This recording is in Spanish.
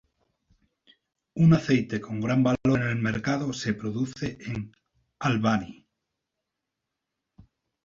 Un aceite con gran valor en el mercado se produce en Albany.